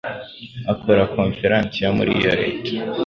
akora Konferansi yo muri iyo Leta